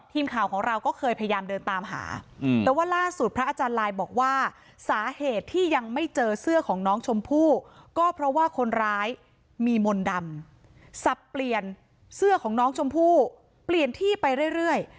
ทีมข่าวของเราก็เคยพยายามเดินตามหาแต่ว่าล่าสุดพระอาจารย์ลายบอกว่าสาเหตุที่ยังไม่เจอเสื้อของน้องชมพู่ก็เพราะว่าคนร้ายมีมนต์ดำสับเปลี่ยนเสื้อของน้องชมพู่เปลี่ยนที่ไปเรื่อย